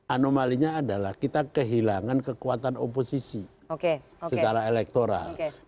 anomalinya adalah kita kehilangan kekuatan oposisi secara elektoral